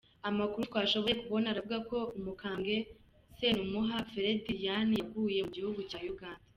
Amakuru twashoboye kubona aravuga ko Umukambwe Senumuha Ferediriyani yaguye mu gihugu cya Uganda.